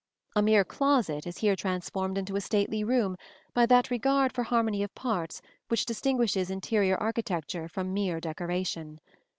A mere closet is here transformed into a stately room, by that regard for harmony of parts which distinguishes interior architecture from mere decoration.